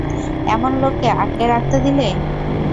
এমন লোককে আটকে রাখতে দিলে?